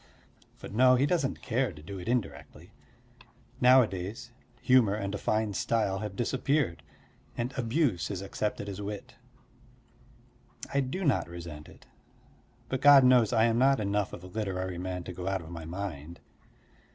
But no, he doesn't care to do it indirectly. Nowadays humour and a fine style have disappeared, and abuse is accepted as wit. I do not resent it: but God knows I am not enough of a literary man to go out of my mind.